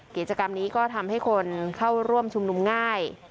กิจกรรมนี้ก็ทำให้คนเข้าร่วมชุมนุมง่าย